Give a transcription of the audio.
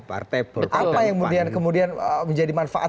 apa yang kemudian menjadi manfaat